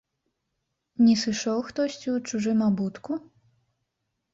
Не сышоў хтосьці ў чужым абутку?